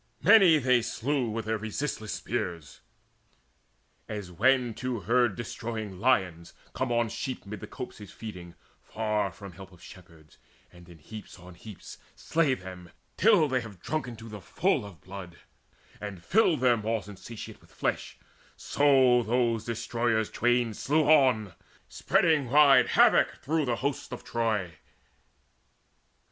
Many they slew with their resistless spears; As when two herd destroying lions come On sheep amid the copses feeding, far From help of shepherds, and in heaps on heaps Slay them, till they have drunken to the full Of blood, and filled their maws insatiate With flesh, so those destroyers twain slew on, Spreading wide havoc through the hosts of Troy.